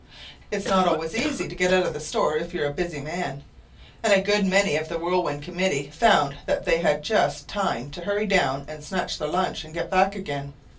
It's not always easy to get out of the store if you're a busy man, and a good many of the Whirlwind Committee found that they had just time to hurry down and snatch their lunch and get back again.